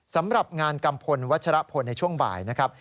สำหรับงานกัมพลวัชรพลในช่วงบ่ายนะครับ